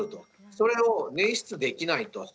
それを捻出できないと。